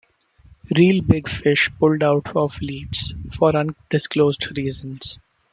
Reel Big Fish pulled out of Leeds for undisclosed reasons.